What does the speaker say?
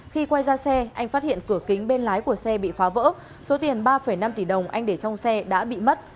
khi quay ra xe anh phát hiện cửa kính bên lái của xe bị phá vỡ số tiền ba năm tỷ đồng anh để trong xe đã bị mất